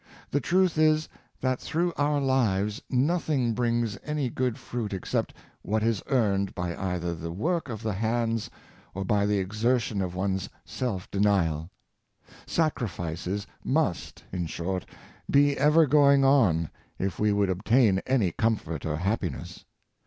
The truth is, that through our lives noth ing brings any good fruit except what is earned by either the work of the hands or by the exertion of one's self denial. Sacrifices must, in short, be ever going on if we would obtain any comfort or happiness.